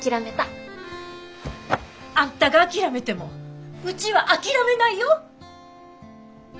あんたが諦めてもうちは諦めないよ！